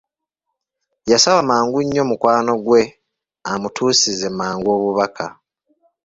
Yasaba mangu nnyo mukwano gwe amutuusize mangu obubaka.